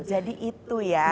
jadi itu ya